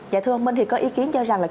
dạ thưa ông minh thì có ý kiến cho rằng là